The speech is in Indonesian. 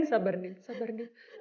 sabar nia sabar nia